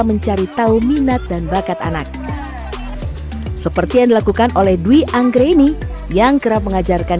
mencari tahu minat dan bakat anak seperti yang dilakukan oleh dwi anggreni yang kerap mengajarkan